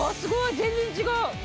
全然違う！